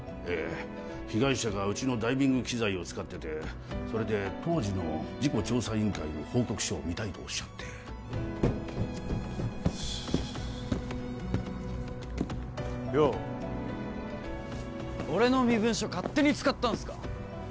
ええ被害者がうちのダイビング器材を使っててそれで当時の事故調査委員会の報告書を見たいとおっしゃってよお俺の身分証勝手に使ったんすか！？